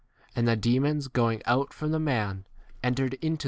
And the demons, going out from the man, entered b T.